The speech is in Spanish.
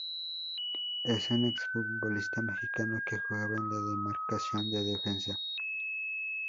Es un exfutbolista mexicano que jugaba en la demarcación de defensa.